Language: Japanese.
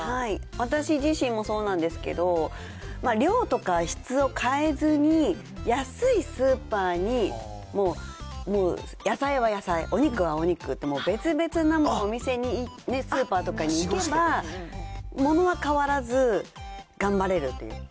私自身もそうなんですけど、量とか質を変えずに、安いスーパーに、もう、野菜は野菜、お肉はお肉って、別々なお店に行って、スーパーとかに行けば、ものは変わらず、頑張れるという。